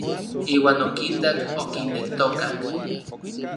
Iuan okitak, okineltokak.